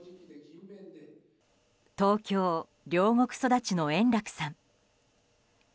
東京・両国育ちの円楽さん。